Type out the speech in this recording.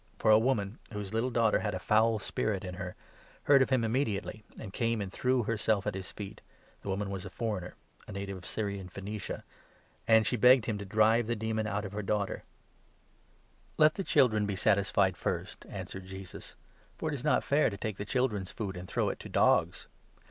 For a woman, whose little daughter had a foul spirit in her, heard of him immediately, and came and threw herself at his feet — the woman was a foreigner, a native of Syrian Phoenicia — and she begged him to drive the demon out of her daughter. «' Isa. 39. 13. 10 Exod. ao. ia ; ai. 17. MARK, 7 8. 19 "Let the children be satisfied first," answered Jesus. 27 " For it is not fair to take the children's food, and throw it to dogs."